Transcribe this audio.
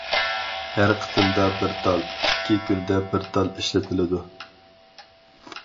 ھەر قېتىمدا بىر تال، ئىككى كۈندە بىر تال ئىشلىتىلىدۇ.